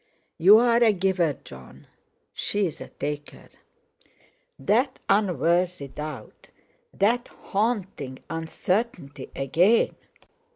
"You are a giver, Jon; she is a taker." That unworthy doubt, that haunting uncertainty again!